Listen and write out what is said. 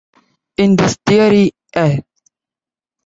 In this theory I.